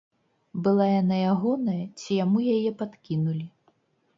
Была яна ягоная ці яму яе падкінулі?